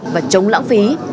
và chống lãng phí